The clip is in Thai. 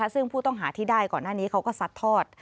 ซึ่งผู้ต้องหาที่ได้ก่อนหน้านี้เขาก็ซัดทอด